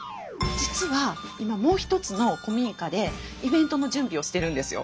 実は今もう一つの古民家でイベントの準備をしてるんですよ。